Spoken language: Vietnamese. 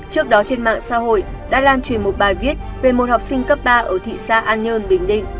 trước đó trên mạng xã hội đã lan truyền một bài viết về một học sinh cấp ba ở thị xã an nhơn bình định